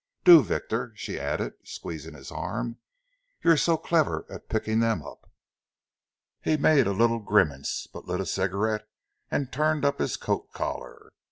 "Do, Victor," she added, squeezing his arm. "You're so clever at picking them up." He made a little grimace, but lit a cigarette and turned up his coat collar.